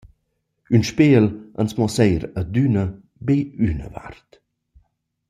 Ün spejel ans muossa eir adüna be üna vart.